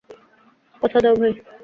কথা দাও ভাই।